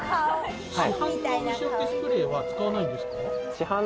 市販の虫除けスプレーは使わないんですか？